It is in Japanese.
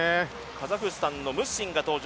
カザフスタンのムッシンが登場。